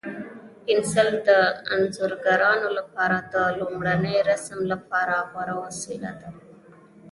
پنسل د انځورګرانو لپاره د لومړني رسم لپاره غوره وسیله ده.